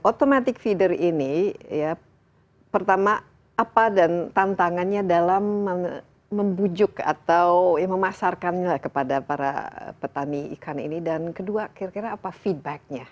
automatic feeder ini ya pertama apa dan tantangannya dalam membujuk atau memasarkannya kepada para petani ikan ini dan kedua kira kira apa feedbacknya